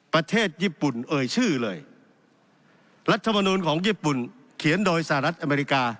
ประเทศญี่ปุ่นเอ่ยชื่อเลยรัฐมนูลของญี่ปุ่นเขียนโดยสหรัฐอเมริกา